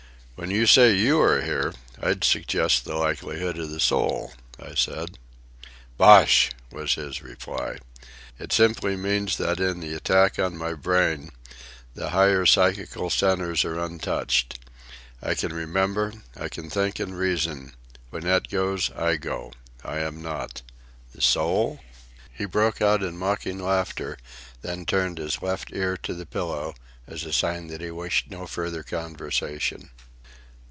"When you say you are here, I'd suggest the likelihood of the soul," I said. "Bosh!" was his retort. "It simply means that in the attack on my brain the higher psychical centres are untouched. I can remember, I can think and reason. When that goes, I go. I am not. The soul?" He broke out in mocking laughter, then turned his left ear to the pillow as a sign that he wished no further conversation.